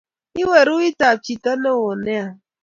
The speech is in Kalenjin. iweruit ab chito newon nea